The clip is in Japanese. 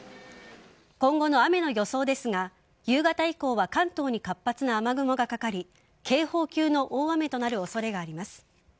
今後の雨の予想ですが夕方以降は関東に活発な雨雲がかかり警報級の大雨となる恐れがあります。